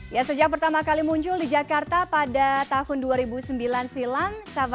ya sejak pertama kali muncul di jakarta pada tahun dua ribu sembilan silam